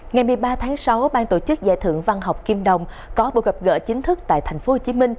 ngày một mươi ba tháng sáu ban tổ chức giải thưởng văn học kim đồng có buổi gặp gỡ chính thức tại tp hcm